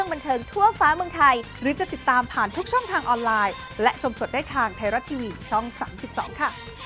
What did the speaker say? มันเทิงไทยรัก